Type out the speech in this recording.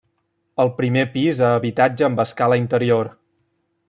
El primer pis a habitatge amb escala interior.